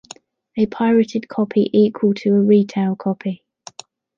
A pirated copy equal to a retail copy.